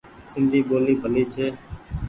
سندي ٻولي ڀلي ڇي ۔